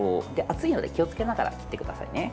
熱いので、気をつけながら切ってくださいね。